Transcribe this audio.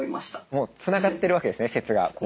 もうつながってるわけですね説がこう。